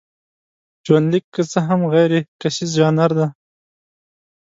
ژوندلیک که څه هم غیرکیسیز ژانر دی.